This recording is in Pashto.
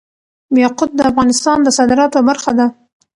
یاقوت د افغانستان د صادراتو برخه ده.